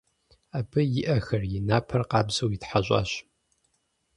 Абы и ӏэхэр, и напэр къабзэу итхьэщӏащ.